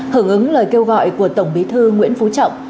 hưởng ứng lời kêu gọi của tổng bí thư nguyễn phú trọng